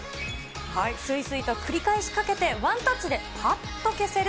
すいすいと繰り返し書けてワンタッチでぱっと消せる